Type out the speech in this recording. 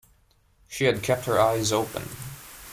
She had kept her eyes open.